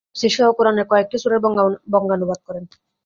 তিনি তফসিরসহ কুরআনের কয়েকটি সুরার বঙ্গানুবাদ প্রকাশ করেন।